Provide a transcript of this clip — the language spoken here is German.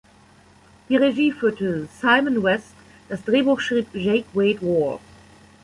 Die Regie führte Simon West, das Drehbuch schrieb Jake Wade Wall.